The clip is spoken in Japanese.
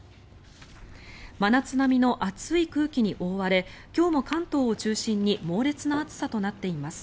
真夏並みの暑い空気に覆われ今日も関東を中心に猛烈な暑さとなっています。